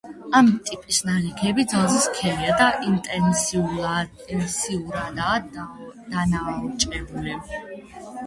ამ ტიპის ნალექები ძალზე სქელია და ინტენსიურადაა დანაოჭებული.